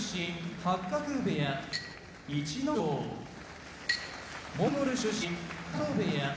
八角部屋逸ノ城モンゴル出身湊部屋